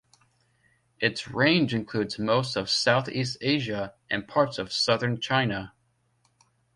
Its range includes most of Southeast Asia and parts of southern China.